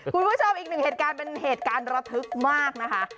คุณผู้ชมอีกหนึ่งเหตุการณ์เป็นเหตุการณ์ระทึกมากนะคะ